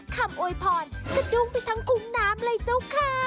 คำโอ้ยพรสดูงไปทั้งกลุ่มน้ำเลยเจ้าค่า